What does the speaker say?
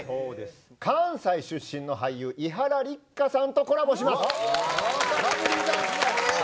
関西出身の俳優伊原六花さんとコラボします！